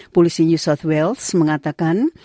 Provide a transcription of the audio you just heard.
polisi new south wales mengatakan